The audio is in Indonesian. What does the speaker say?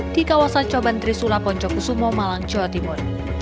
di kawasan coban trisula poncokusumo malang jawa timur